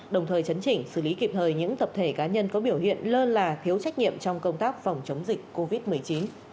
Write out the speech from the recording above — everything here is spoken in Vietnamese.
đồng thời chấn chỉnh xử lý kịp thời những tập thể cá nhân có biểu hiện lơ là thiếu trách nhiệm trong công tác phòng chống dịch covid một mươi chín